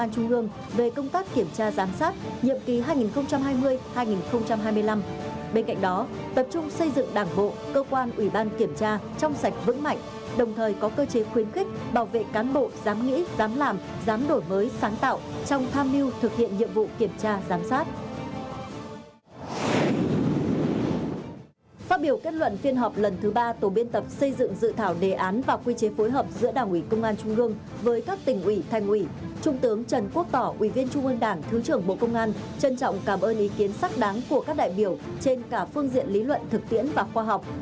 tướng trần quốc tỏ ủy viên trung ương đảng thứ trưởng bộ công an trân trọng cảm ơn ý kiến sắc đáng của các đại biểu trên cả phương diện lý luận thực tiễn và khoa học